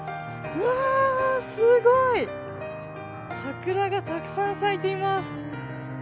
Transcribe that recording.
わ、すごい、桜がたくさん咲いています。